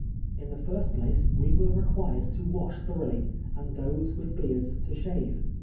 In the first place we were recpiired to wash thorough ly, and those with beards, to shave.